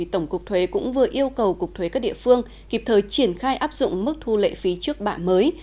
tổng cục thuế cũng vừa yêu cầu cục thuế các địa phương kịp thời triển khai áp dụng mức thu lệ phí trước bạ mới